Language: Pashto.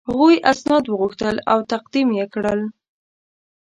هغوی اسناد وغوښتل او تقدیم یې کړل.